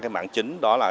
ba mảng chính đó là